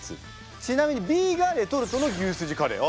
ちなみにＢがレトルトの牛すじカレー。